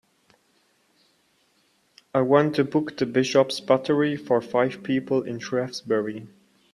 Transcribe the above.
I want to book The Bishops Buttery for five people in Shrewsbury.